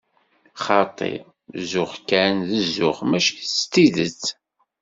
Xaṭi, zuxx kan d zzux, mačči s tidet.